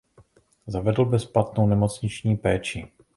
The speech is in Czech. Zavedl bezplatnou nemocniční péči.